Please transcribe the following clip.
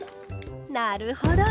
なるほど！